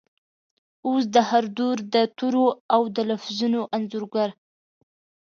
اوس د هردور دتورو ،اودلفظونو انځورګر،